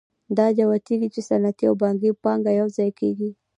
دا جوتېږي چې صنعتي او بانکي پانګه یوځای کېږي